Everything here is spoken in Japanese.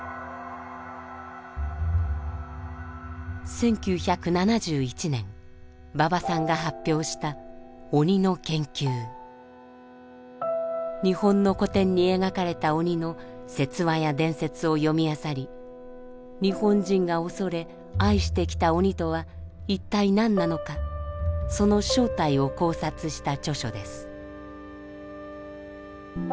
１９７１年馬場さんが発表した日本の古典に描かれた鬼の説話や伝説を読みあさり日本人が恐れ愛してきた鬼とは一体何なのかその正体を考察した著書です。